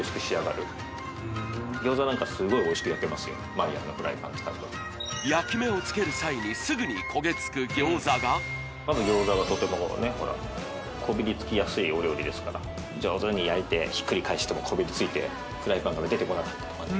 ＭＥＹＥＲのフライパン使うと焼き目をつける際にすぐに焦げ付く餃子がまず餃子はとてもほらこびりつきやすいお料理ですから上手に焼いてひっくり返してもこびりついてフライパンから出てこなかったとかね